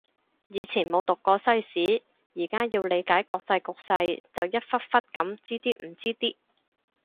以前冇讀過西史，而家要理解國際局勢就一忽忽噉知啲唔知啲